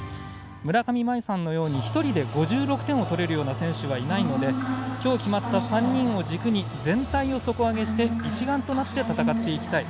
村上茉愛さんのように１人で５４点を取れる選手はいないのできょう決まった３人を軸に全体を底上げして一丸となって戦っていきたい。